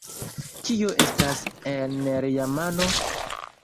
Kio estas en lia mano?